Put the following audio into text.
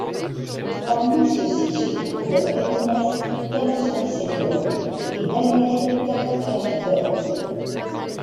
Parmi ceux-ci se trouvent Ernest Thompson Seton et Daniel Carter Beard.